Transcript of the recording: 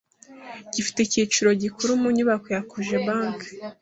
gifite icyicaro gikuru mu Nyubako ya Cogebanque